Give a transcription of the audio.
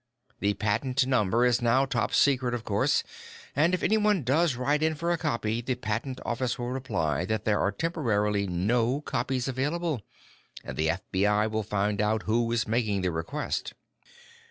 The patent number is now top secret, of course, and if anyone does write in for a copy, the Patent Office will reply that there are temporarily no copies available. And the FBI will find out who is making the request."